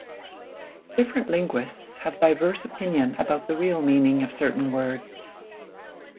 Different linguists have diverse opinion about the real meaning of certain words.